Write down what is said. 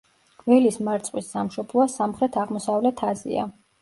გველის მარწყვის სამშობლოა სამხრეთ-აღმოსავლეთ აზია.